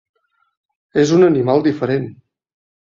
És un animal diferent.